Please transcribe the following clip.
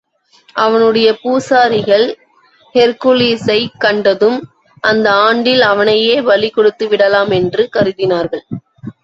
அவனுடைய பூசாரிகள் ஹெர்க்குலிஸைக் கண்டதும், அந்த ஆண்டில் அவனையே பலி கொடுத்துவிடலாம் என்று கருதினார்கள்.